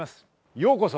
「ようこそ！！